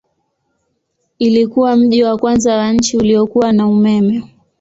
Ilikuwa mji wa kwanza wa nchi uliokuwa na umeme.